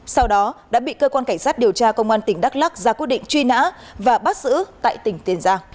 sau đó đã bị cơ quan cảnh sát điều tra công an tỉnh đắk lắc ra quyết định truy nã và bắt giữ tại tỉnh tiền giang